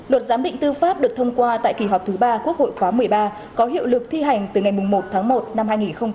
luật giám định tư pháp được thông qua tại kỳ họp thứ ba quốc hội khóa một mươi ba có hiệu lực thi hành từ ngày một tháng một năm hai nghìn hai mươi